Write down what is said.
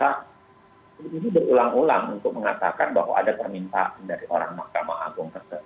ini berulang ulang untuk mengatakan bahwa ada permintaan dari orang mahkamah agung